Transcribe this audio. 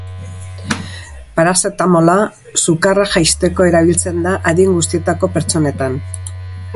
Parazetamola sukarra jaisteko erabiltzen da adin guztietako pertsonetan.